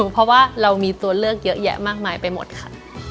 เพราะว่าเรามีตัวเลือกเยอะแยะมากมายไปหมดค่ะ